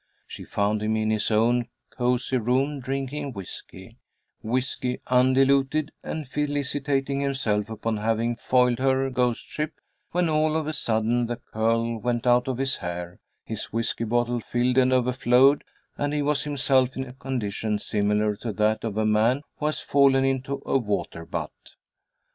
She found him in his own cosey room drinking whiskey whiskey undiluted and felicitating himself upon having foiled her ghostship, when all of a sudden the curl went out of his hair, his whiskey bottle filled and overflowed, and he was himself in a condition similar to that of a man who has fallen into a water butt.